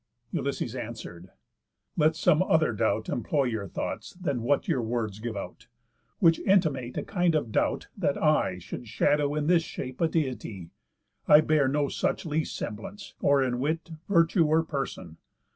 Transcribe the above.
Ulysses answer'd: "Let some other doubt Employ your thoughts than what your words give out, Which intimate a kind of doubt that I Should shadow in this shape a Deity. I bear no such least semblance, or in wit, Virtue, or person.